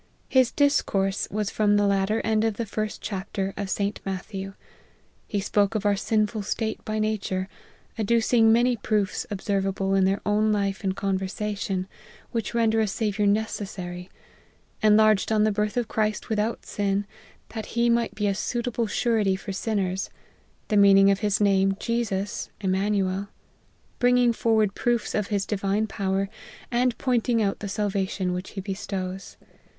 His discourse was from the latter end of the first chapter of St. Matthew. He spoke of our sinful state by nature, adducing many proofs observable in their own life and conversation, which render a Saviour necessary ; enlarged on the birth of Christ without sin, that he might be a suitable surety for sinners ; the meaning of his name Jesus, Immanuel ; bringing forward proofs of his divine power, and pointing out the salvation which he bestows.